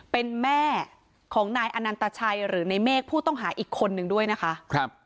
เป็นแม่ของนายอนันตชัยหรือในเมฆผู้ต้องหาอีกคนนึงด้วยนะคะ